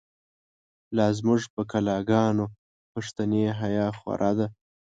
لازموږ په کلاګانو، پښتنی حیا خو ره ده